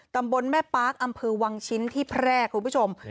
ตำบลแม่ปาร์คอำเภอวังชิ้นที่แพร่คุณผู้ชม